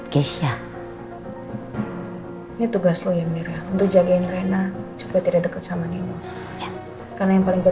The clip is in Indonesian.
keisha ini tugas lu yang mirip untuk jagain karena supaya tidak deket sama nino karena yang paling gue